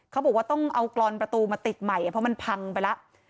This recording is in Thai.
เขาบอกว่าต้องเอากรอนประตูมาติดใหม่เพราะมันพังไปแล้ว